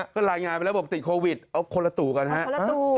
ก็รายงานไปแล้วบอกติดโควิดเอาคนละตู่กันฮะ